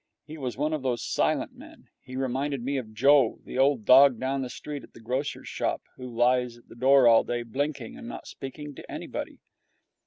He was one of those silent men. He reminded me of Joe, the old dog down the street at the grocer's shop, who lies at the door all day, blinking and not speaking to anybody.